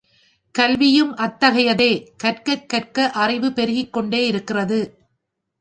கல்வியும் அத்தகையதே கற்கக் கற்க அறிவு பெருகிக்கொண்டே இருக்கிறது.